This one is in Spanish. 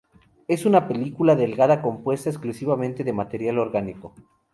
Es una película delgada compuesta exclusivamente de material orgánico.